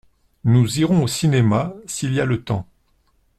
Nous irons au cinéma s’il y a le temps.